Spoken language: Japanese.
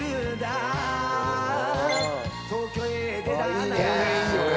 あいいね！